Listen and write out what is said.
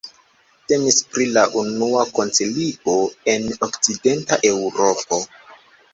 Temis pri la unua koncilio en okcidenta Eŭropo.